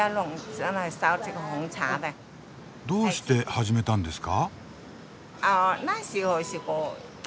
どうして始めたんですか？